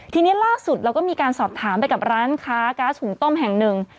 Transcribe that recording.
ทีนี้ล่าสุดเราก็มีการสอบถามไปกับร้านค้าก๊าซหุงต้มแห่งหนึ่ง